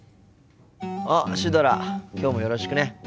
あっシュドラきょうもよろしくね。